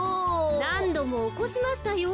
なんどもおこしましたよ。